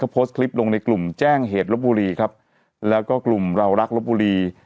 โพสต์คลิปลงในกลุ่มแจ้งเหตุลบบุรีครับแล้วก็กลุ่มเรารักลบบุรี